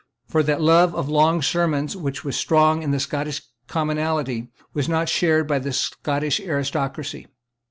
For that love of long sermons which was strong in the Scottish commonalty was not shared by the Scottish aristocracy.